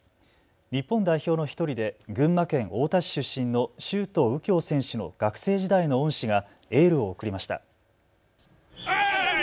日本代表の１人で群馬県太田市出身の周東佑京選手の学生時代の恩師がエールを送りました。